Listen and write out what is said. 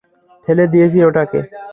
ফেলে দিয়েছি ওটাকে!